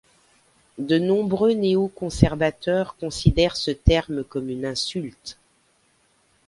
De nombreux néo-conservateurs considèrent ce terme comme une insulte.